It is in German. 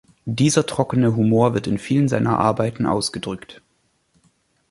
Dieser trockene Humor wird in vielen seiner Arbeiten ausgedrückt.